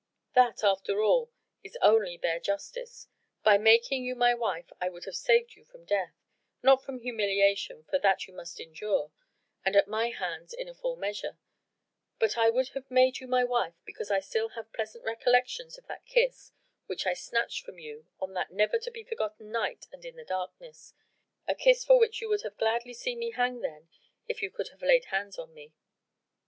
That, after all, is only bare justice. By making you my wife I would have saved you from death not from humiliation, for that you must endure, and at my hands in a full measure but I would have made you my wife because I still have pleasant recollections of that kiss which I snatched from you on that never to be forgotten night and in the darkness a kiss for which you would gladly have seen me hang then, if you could have laid hands on me."